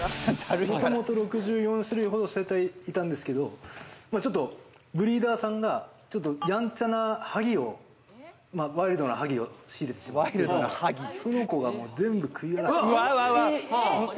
もともと６４種類ほどいたんですけどブリーダーさんがやんちゃなハギを、ワイルドなハギを仕入れてしまって、その子が全部、食い荒らしてしまった。